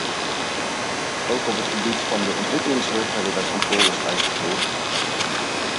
Ook op het gebied van de ontwikkelingshulp hebben wij controles uitgevoerd.